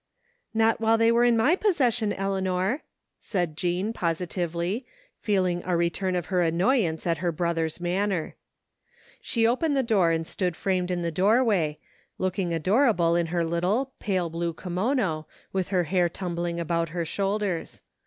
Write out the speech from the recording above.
" Not while they were in my possession, Eleanor," said Jean positively, feeling a return of her annoyance at her brother's manner. She opened the door and stood framed in the doorway, looking adorable in her little, pale blue kimono, with her hair tumbling about her shoulders.